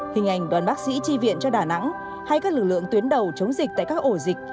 hình ảnh đoàn bác sĩ chi viện cho đà nẵng hay các lực lượng tuyến đầu chống dịch tại các ổ dịch